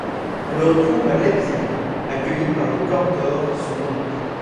On le retrouve à Leipzig accueilli par le cantor, son oncle.